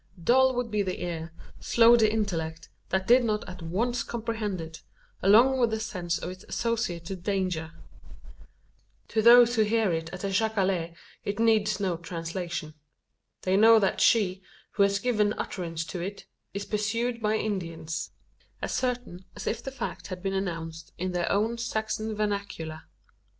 Dull would be the ear, slow the intellect, that did not at once comprehend it, along with the sense of its associated danger. To those who hear it at the jacale it needs no translation. They know that she, who has given utterance to it, is pursued by Indians as certain as if the fact had been announced in their own Saxon vernacular.